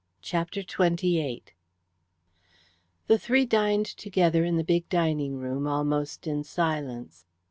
CHAPTER XXVIII The three dined together in the big dining room almost in silence.